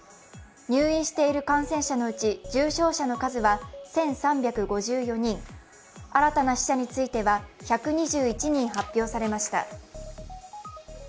入院している感染者のうち重症者の数は１３５４人、新たな死者については１２１人発表されました。